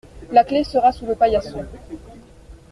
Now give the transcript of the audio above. La clé sera sous le paillasson.